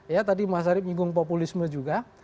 ya tadi mas arief bingung populisme juga